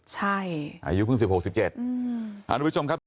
ใช่อายุเพิ่ง๑๖๑๗ค่ะ